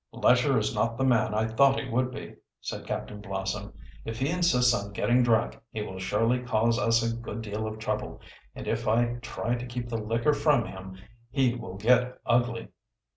"Lesher is not the man I thought he would, be," said Captain Blossom. "If he insists on getting drunk he will surely cause us a good deal of trouble, and if I try to keep the liquor from him he will get ugly.